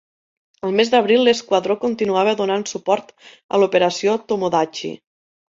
Al mes d'abril l'esquadró continuava donant suport a l'Operació Tomodachi.